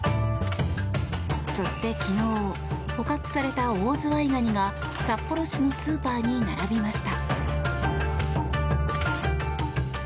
そして昨日捕獲されたオオズワイガニが札幌市のスーパーに並びました。